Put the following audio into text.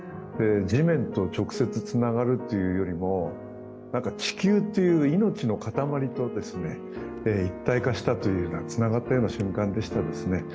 地面と直接つながるというよりも、地球っていう命の塊と一体化したようなつながったような瞬間でしたね。